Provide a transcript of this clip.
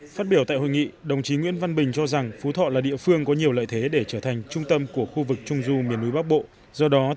phát biểu tại hội nghị đồng chí nguyễn văn bình cho rằng phú thọ là địa phương có nhiều lợi thế để trở thành trung tâm của khu vực trung du miền núi bắc bộ